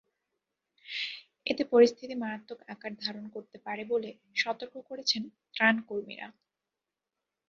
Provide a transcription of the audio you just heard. এতে পরিস্থিতি মারাত্মক আকার ধারণ করতে পারে বলে সতর্ক করেছেন ত্রাণকর্মীরা।